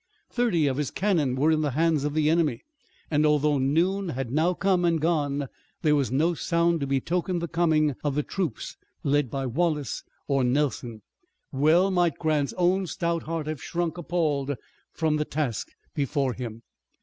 Thirty of his cannon were in the hands of the enemy, and although noon had now come and gone there was no sound to betoken the coming of the troops led by Wallace or Nelson. Well might Grant's own stout heart have shrunk appalled from the task before him.